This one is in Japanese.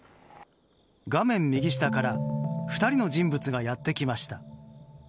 画面右下から２人の人物がやってきました。